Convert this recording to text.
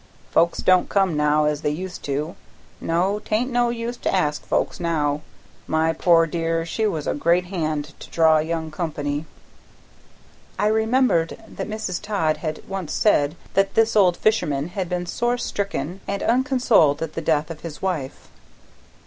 "Folks don't come now as they used to; no, 'tain't no use to ask folks now. My poor dear she was a great hand to draw young company." I remembered that Mrs. Todd had once said that this old fisherman had been sore stricken and unconsoled at the death of his wife.